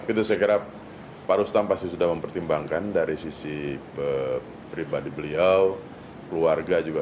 itu saya kira pak rustam pasti sudah mempertimbangkan dari sisi pribadi beliau keluarga juga